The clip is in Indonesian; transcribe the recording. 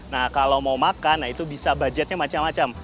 nah kalau mau makan nah itu bisa budgetnya macam macam